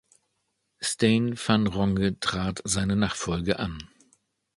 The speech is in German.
Steyn van Ronge trat seine Nachfolge an.